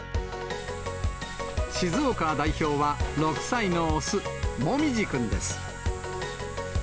静岡代表は、６歳の雄、モミジくんです。